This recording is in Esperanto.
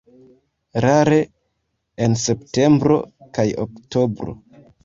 Rare en septembro kaj oktobro.